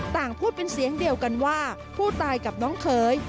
ต่างพูดเป็นเสียงเดียวกันว่าผู้ตายกับน้องเขย